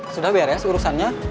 sudah beres urusannya